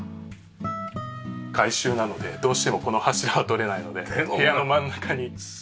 改修なのでどうしてもこの柱は取れないので部屋の真ん中に柱を。